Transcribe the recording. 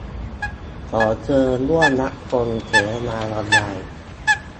ขอเชิญร่วมรับชมเสวนาออนไลน์